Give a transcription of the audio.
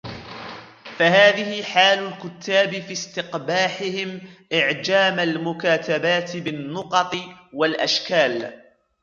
فَهَذِهِ حَالُ الْكُتَّابِ فِي اسْتِقْبَاحِهِمْ إعْجَامِ الْمُكَاتَبَاتِ بِالنُّقَطِ وَالْأَشْكَالِ